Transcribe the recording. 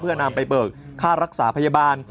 เพื่อนำไปเบิกค่ารักษาพยาบาล